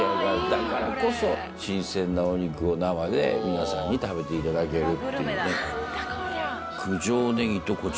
だからこそ新鮮なお肉を生で皆さんに食べていただける。